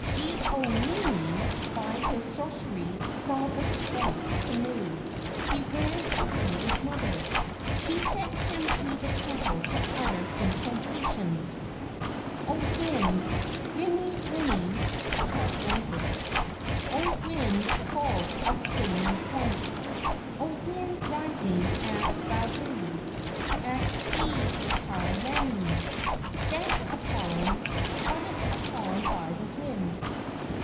Ke au nini by his sorcery saw the swamped canoe. He ran and told his mother. She sent him to the temple to utter incantations: "O wind, wini wini [sharp pointed]; O wind full of stinging points; O wind rising at Vavau, At Hii ka lani; Stamped upon, trodden upon by the wind.